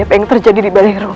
apa yang terjadi di baliro